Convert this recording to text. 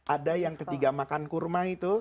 ada yang ketiga makan kurma itu